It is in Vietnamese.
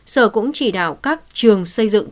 sở cũng chỉ đạo các trường xây dựng